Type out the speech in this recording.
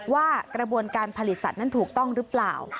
ว่ากระบวนการผลิตสัตว์นั้นถูกต้องหรือเปล่า